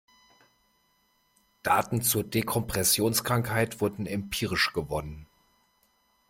Daten zur Dekompressionskrankheit wurden empirisch gewonnen.